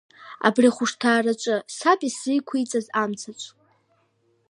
Абри ахәышҭаараҿы, саб исзеиқәиҵаз амцаҿ.